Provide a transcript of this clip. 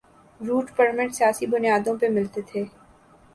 Route permit سیاسی بنیادوں پہ ملتے تھے۔